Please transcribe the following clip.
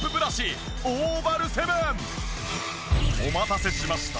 お待たせしました。